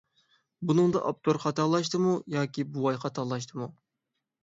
بۇنىڭدا ئاپتور خاتالاشتىمۇ ياكى بوۋاي خاتالاشتىمۇ؟